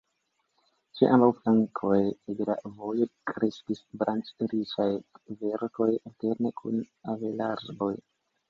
Ĉe ambaŭ flankoj de la vojo kreskis branĉriĉaj kverkoj alterne kun avelarboj.